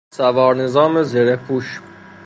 سوار نظام زره پوش